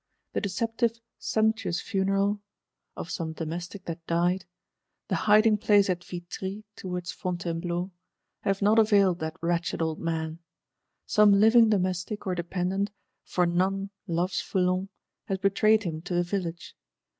The deceptive "sumptuous funeral" (of some domestic that died); the hiding place at Vitry towards Fontainbleau, have not availed that wretched old man. Some living domestic or dependant, for none loves Foulon, has betrayed him to the Village.